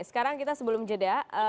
sekarang kita sebelum jeda